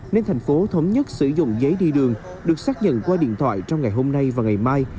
nên thành phố thống nhất sử dụng giấy đi đường được xác nhận qua điện thoại trong ngày hôm nay và ngày mai